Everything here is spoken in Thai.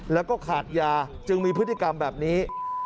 แล้วก็ขาดยาจึงมีพฤติกรรมแบบนี้